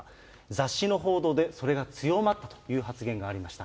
雑誌の報道でそれが強まったという発言がありました。